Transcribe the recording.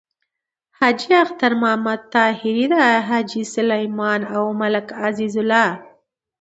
حاجی اختر محمد طاهري، حاجی سلیمان او ملک عزیز الله…